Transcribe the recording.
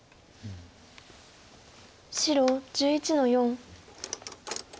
白１１の四。